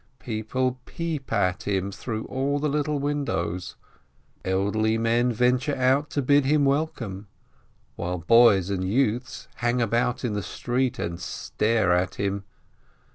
People peep at him through all the little windows, elderly men venture out to bid him welcome, while boys and youths hang about in the street and stare at him.